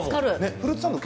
フルーツサンド